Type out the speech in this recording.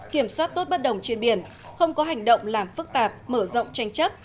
kiểm soát tốt bất đồng trên biển không có hành động làm phức tạp mở rộng tranh chấp